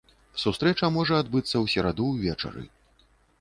Сустрэча можа адбыцца ў сераду ўвечары.